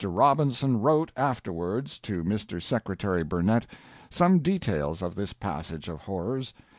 Robinson wrote afterwards to Mr. Secretary Burnett some details of this passage of horrors.